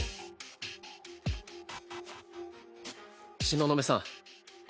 東雲さん。